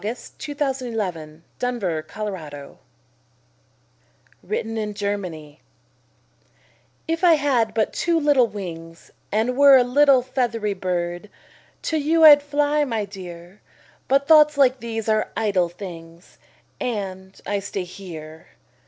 SOMETHING CHILDISH, BUT VERY NATURAL[313:1] WRITTEN IN GERMANY If I had but two little wings And were a little feathery bird, To you I'd fly, my dear! But thoughts like these are idle things, And I stay here.